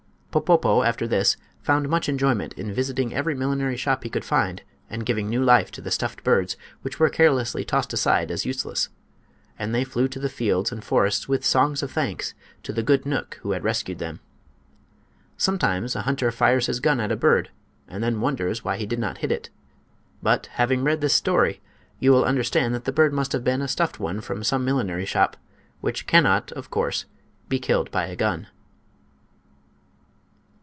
Popopo after this found much enjoyment in visiting every millinery shop he could find and giving new life to the stuffed birds which were carelessly tossed aside as useless. And they flew to the fields and forests with songs of thanks to the good knook who had rescued them. Sometimes a hunter fires his gun at a bird and then wonders why he did not hit it. But, having read this story, you will understand that the bird must have been a stuffed one from some millinery shop, which cannot, of course, be killed by a gun.